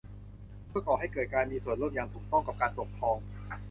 เพื่อก่อให้เกิดการมีส่วนร่วมอย่างถูกต้องกับการปกครอง